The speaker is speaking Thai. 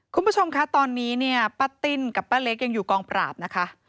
คุณผู้ชมคะตอนนี้เนี่ยป้าติ้นกับป้าเล็กยังอยู่กองปราบนะคะ